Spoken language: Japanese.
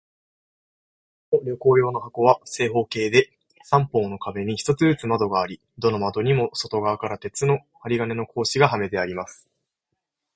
この旅行用の箱は、正方形で、三方の壁に一つずつ窓があり、どの窓にも外側から鉄の針金の格子がはめてあります。